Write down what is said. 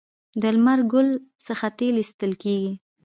د لمر ګل څخه تیل ایستل کیږي.